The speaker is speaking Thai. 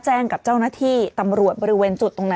กับเจ้าหน้าที่ตำรวจบริเวณจุดตรงนั้น